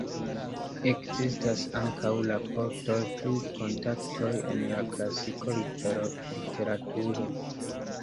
Ekzistas ankaŭ raportoj pri kontaktoj en la klasika literaturo.